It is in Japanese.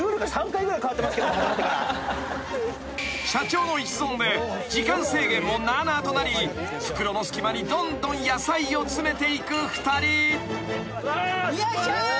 ［社長の一存で時間制限もなあなあとなり袋の隙間にどんどん野菜を詰めていく２人］よいしょ！